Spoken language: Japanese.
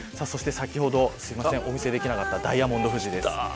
先ほどお見せできなかったダイヤモンド富士です。